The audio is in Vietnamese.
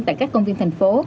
tại các công viên thành phố